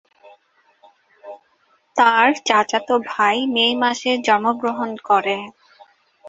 তার চাচাতো ভাই মে মাসে জন্মগ্রহণ করে।